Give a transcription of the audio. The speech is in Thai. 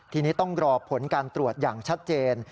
ทีนี้ต้องรอผลการตรวจอย่างชัดเจน